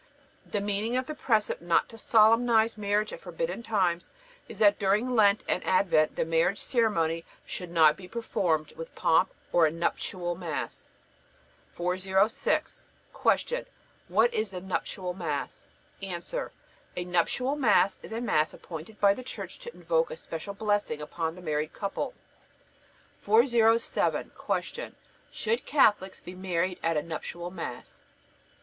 The meaning of the precept not to solemnize marriage at forbidden times is that during Lent and Advent the marriage ceremony should not be performed with pomp or a nuptial Mass. 406. Q. What is the nuptial Mass? A. A nuptial Mass is a Mass appointed by the Church to invoke a special blessing upon the married couple. 407. Q. Should Catholics be married at a nuptial Mass?